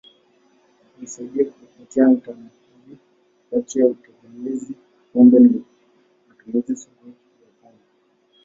Husaidia kutofautisha utambuzi kati ya utegemezi pombe na matumizi sugu ya pombe.